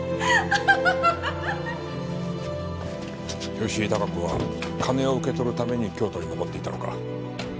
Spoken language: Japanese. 吉井孝子は金を受け取るために京都に残っていたのか。